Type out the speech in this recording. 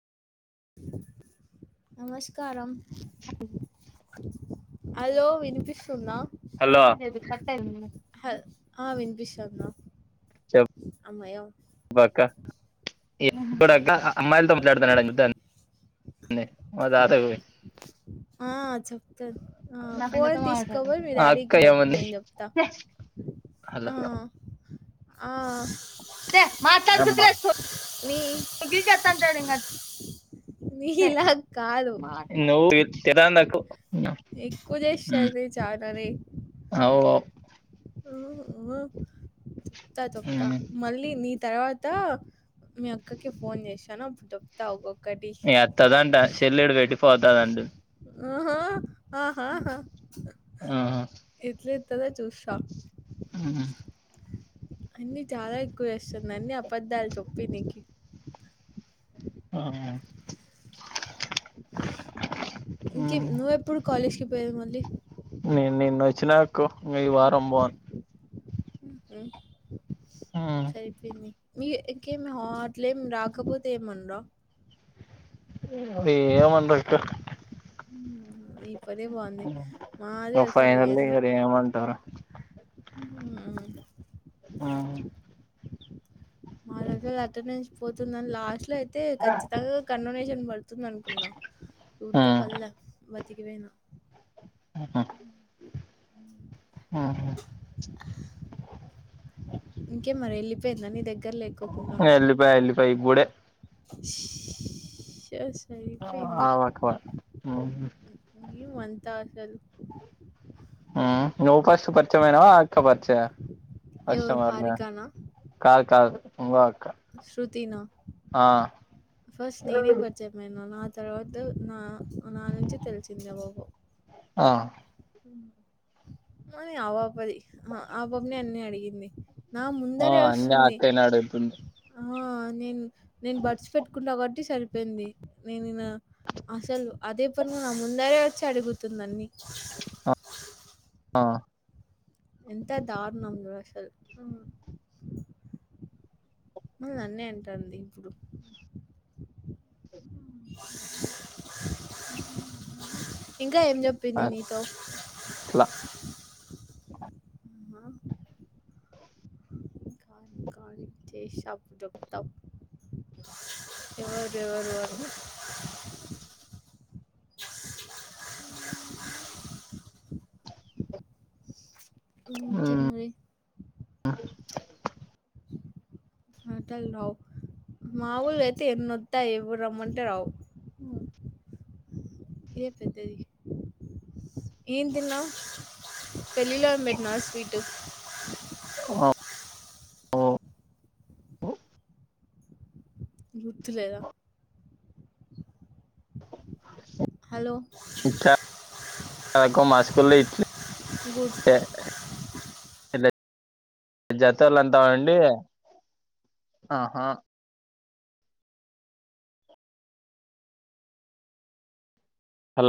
నమస్కారం హ హలో వినిపిస్తుంద హలో హల్ అ విన్ పిస్తందా చెప్ అక్క ఏ క్క అ అమ్మాయిల్తో మట్లాడుతండట్ గ్ దే మా తాతకు పోయి ఆ చెప్తాను నా ఫ్రెండ్ ఫోన్ తో తీసుక మాట్లాడింది పోయి మీ ఆ అక్క డాడీకియ్యి అప్పుడు ఏమంది నేను చెప్తా ఆ ఆ మాత్తాడ నీ నీలా కాదు. నువ్ త్ తెరన్నకు ఎక్కువ చేస్థంది ఛాననే అవు మ్ మ్ త తొక్త మళ్ళీ నీ తర్వాత మీ అక్కకే ఫోన్ చేసాను అప్పుడు చెప్తా అగు ఇగ అత్తదంట సెల్లు ఇడా పెట్టిపోతదండి మ్ హు ఆహాహా ఆహా ఎట్లేతదో చూస్త మ్ హు అన్నిీ చాలా ఎక్కువ చేస్తుంది అన్నిీ అబద్ధాలు చెప్పి నీకి ఆ ఇంక్ నువ్వెప్పుడు కాలేజ్కిి పోయేది మళ్ళీ నిను నిన్న వచ్చినక్కో ఇ వారం పోవన్ మ్ సరిపోఇంది మీ ఇంకేమి అట్లేమ్ రాకపోతే ఏమనరా ఏమనరక్క మ్ ని పనే బాగుంది మాది అసలు ఫైనల్లీ ఏందో ఇగ ఏమంటారు మ్ ఆ మా దగ్గర అటెండెన్స్ పోతుందని లాస్ట్ లో అయితే ఖచ్చితంగా కండోనేషన్ తుందనుకున్నా చూతే పళ్ళే బతికిపోయినా హుమ్ ఆ ఇంకే మరి వెళ్ళిపోయిందా నీ దగ్గర లేక్కకుండా వెైగుడే చే యస్ ఆ వక్కవా ఈ వంతా అసలు నువ్వు పస్పరిచమైనవా అక్కపరిచ ఎవరు కష్టమాద హారికనా? కాదు కాదు ఉవ శృతి నా ఫస్ట్ నేనే ప చె మ నా తర్వాత నా నా నుంచి తెలిసింద బాబు ఆ అది ఆ బాపది ఆబాబని అన్ని అడిగింది నా ఆ ముందరే అన్ని ఆ వస్తుంది అక్కే నడుపుతుంది ఆ నేను నేను బడ్స్ పెట్టుకుంటా కాబట్టి సరిపోయింది నే నెన అసలు అదే పను నా ముందరే వచ్చి అడుగుతుందన్నీ ఆ ఎంత దారుణంలో అసలు నన్నే అంటానది ఇ ఇకా ఏం చెప్పింది నితో అట్లా ఆ కానీ చేషాపు జతప్ వరుారు అ ముకే మరి హటల్ రావు మాఊూలు అయితే ఎన్నో దయి బ రహమందర్ ఏదే పెద్దది ఏన్ తిన్నా పేళిళ్ళలా మేట్నా స్వీట్ ఓ మ్ గుుత్లెలేదా హలో కు మాస్కలే గుర్తు సౌ జతలు ఎంతాండి ఆహా హలో